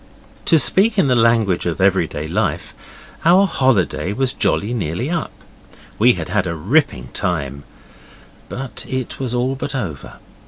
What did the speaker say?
To speak in the language of everyday life, our holiday was jolly nearly up. We had had a ripping time, but it was all but over.